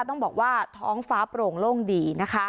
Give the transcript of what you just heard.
ต้องบอกว่าท้องฟ้าโปร่งโล่งดีนะคะ